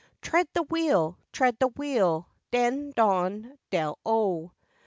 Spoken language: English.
Tread the wheel, tread the wheel, den, don, dell O.